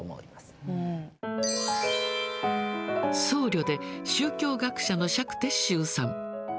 僧侶で宗教学者の釈徹宗さん。